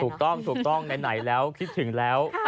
ถูกต้องถูกต้องไหนแล้วคิดถึงแล้ว